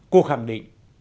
cô khẳng định